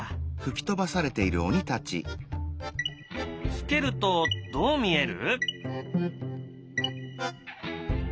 付けるとどう見える？